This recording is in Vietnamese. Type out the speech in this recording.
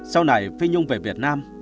sau này phi nhung về việt nam